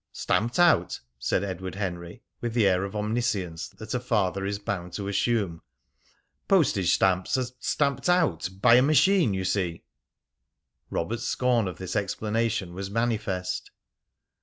"Stamped out?" said Edward Henry, with the air of omniscience that a father is bound to assume. "Postage stamps are stamped out by a machine you see." Robert's scorn of this explanation was manifest.